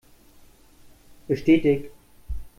Bestätigt!